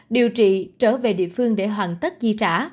điều trị trở về địa phương để hoàn tất chi trả